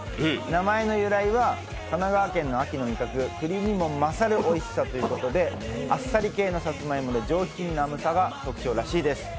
名前の由来は、神奈川県の秋の味覚くりにも勝るおいしさということであっさり系のさつまいもで上品な甘さが特徴だそうです。